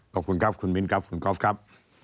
ขอบคุณครับคุณมิ้นครับคุณก๊อฟครับ